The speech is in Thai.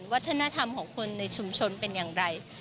วัฒนธรรมของคนในชุมชนเป็นอย่างไร